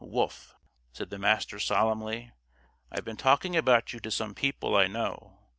"Wolf," said the Master, solemnly, "I've been talking about you to some people I know.